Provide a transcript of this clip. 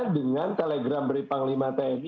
dengan telegram dari panglima tni